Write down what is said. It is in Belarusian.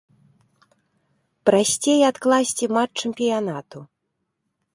Прасцей адкласці матч чэмпіянату.